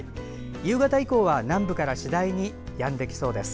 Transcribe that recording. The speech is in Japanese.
夕方以降は、南部から次第にやんできそうです。